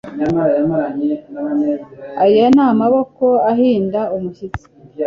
Aya ni amaboko ahinda umushyitsi